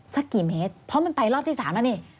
สักกี่เมตรเพราะมันไปรอบที่๓แล้วนี่